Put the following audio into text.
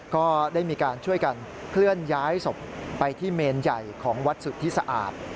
ก็ได้มีการช่วยกันเคลื่อนย้ายศพไปที่เมนใหญ่ของวัดสุทธิสะอาด